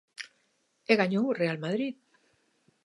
E gañou o Real Madrid.